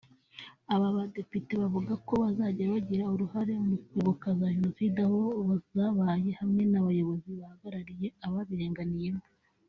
Aba badepite bavuga ko bazajya bagira uruhare mu kwibuka za jenoside aho zabaye hamwe n’abayobozi bahagarariye ababirenganiyemo